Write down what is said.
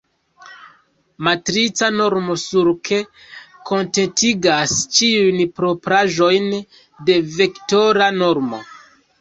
Matrica normo sur "K" kontentigas ĉiujn propraĵojn de vektora normo.